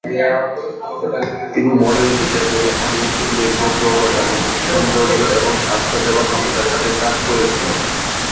তিনি মডেল হিসাবে অনেক উল্লেখযোগ্য প্রসাধনী, সৌন্দর্য এবং স্বাস্থ্যসেবা সংস্থার সাথে কাজ করেছিলেন।